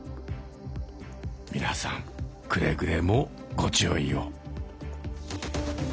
皆さんくれぐれもご注意を！